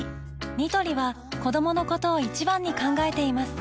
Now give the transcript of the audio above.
ニトリは子どものことを一番に考えています